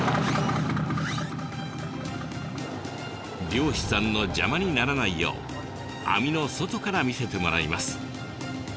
漁師さんの邪魔にならないよう網の外から見せてもらいます。